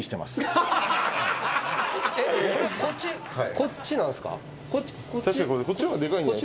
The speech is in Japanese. こっち何ですか？